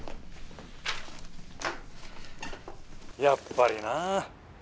やっぱりな。